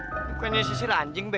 pokoknya sisir anjing be